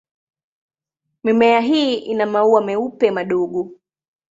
Mimea hii ina maua meupe madogo.